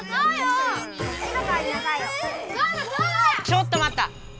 ちょっとまった！